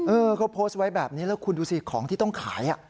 เออเขาโพสต์ไว้แบบนี้แล้วคุณดูสิของที่ต้องขาย